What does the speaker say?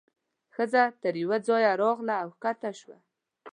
ښځه تر یوه ځایه راغله او کښته شوه.